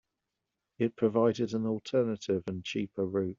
It provided an alternative and cheaper route.